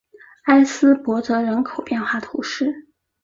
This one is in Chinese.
埃斯珀泽人口变化图示